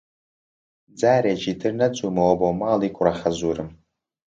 جارێکی تر نەچوومەوە بۆ ماڵی کوڕەخەزوورم.